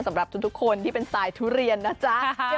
สำหรับทุกคนที่เป็นสายทุเรียนนะจ๊ะ